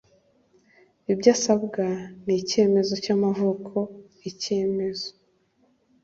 Ibyo asabwa ni icyemezo cy'amavuko, Icyemezo